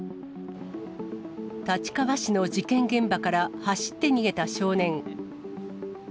立川市の事件現場から走って逃げた少年。